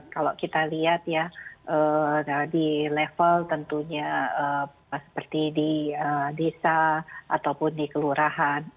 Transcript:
kalau kita lihat ya di level tentunya seperti di desa ataupun di kelurahan